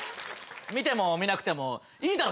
見ても見なくてもいいだろ！